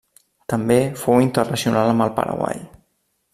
També fou internacional amb el Paraguai.